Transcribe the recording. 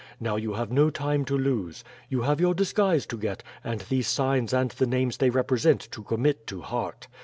Now, you have no time to lose. You have your disguise to get, and these signs and the names they represent to commit to heart.